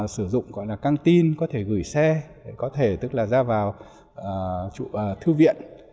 sử dụng gọi là căng tin có thể gửi xe có thể tức là ra vào thư viện